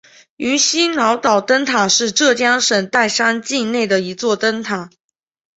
鱼腥脑岛灯塔是浙江省岱山县境内的一座灯塔。